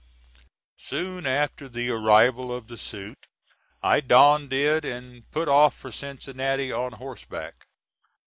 Soon after the arrival of the suit I donned it, and put off for Cincinnati on horseback.